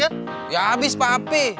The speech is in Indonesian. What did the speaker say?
ya iya usah papi